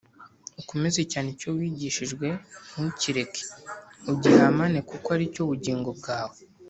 ukomeze cyane icyo wigishijwe ntukireke, ugihamane kuko ari cyo bugingo bwawe